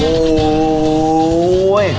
โอ้ย